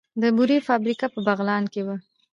د بورې فابریکه په بغلان کې وه